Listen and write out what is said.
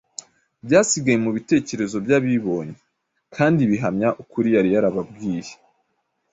byasigaye mu bitekerezo by’ababibonye kandi bihamya ukuri yari yarababwiye.